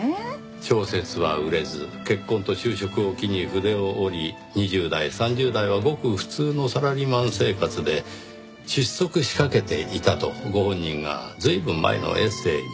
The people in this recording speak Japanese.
小説は売れず結婚と就職を機に筆を折り２０代３０代はごく普通のサラリーマン生活で窒息しかけていたとご本人が随分前のエッセーに。